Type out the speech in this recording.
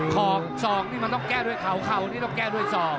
อกศอกนี่มันต้องแก้ด้วยเขาเข่านี่ต้องแก้ด้วยศอก